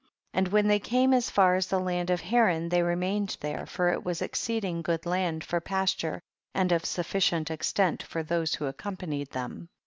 And when they came as far as the land of Haran they remained there, for it was ex ceeding good land for pasture, and of sufficient extent for those who ac companied them.